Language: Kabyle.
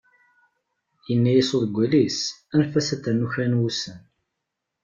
Yenna-as uḍeggal-is, anef-as ad ternu kra n wussan.